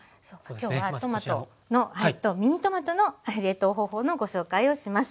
今日はトマトのミニトマトの冷凍方法のご紹介をします。